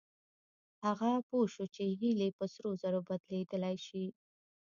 هغه پوه شو چې هيلې په سرو زرو بدلېدلای شي.